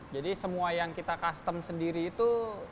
jadi semua yang kita custom sendiri itu